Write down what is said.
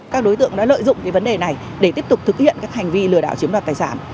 các đối tượng đã lợi dụng vấn đề này để tiếp tục thực hiện các hành vi lừa đảo chiếm đoạt tài sản